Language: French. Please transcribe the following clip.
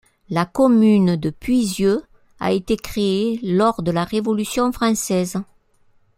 La commune de Puisieux a été créée lors de la Révolution française.